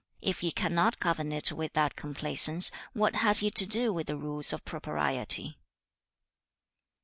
If he cannot govern it with that complaisance, what has he to do with the rules of propriety?'